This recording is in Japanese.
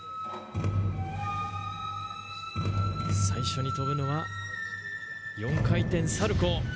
最初に跳ぶのは４回転サルコウ。